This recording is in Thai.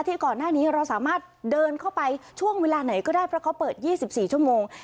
ก่อนหน้านี้เราสามารถเดินเข้าไปช่วงเวลาไหนก็ได้เพราะเขาเปิด๒๔ชั่วโมง